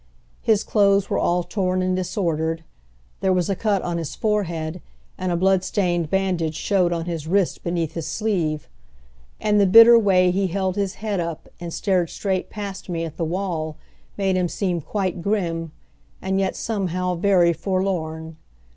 His clothes were all torn and disordered; there was a cut on his forehead and a bloodstained bandage showed on his wrist beneath his sleeve; and the bitter way he held his head up and stared straight past me at the wall made him seem quite grim and yet, somehow, very forlorn.